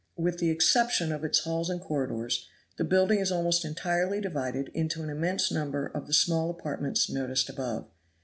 With the exception of its halls and corridors, the building is almost entirely divided into an immense number of the small apartments noticed above.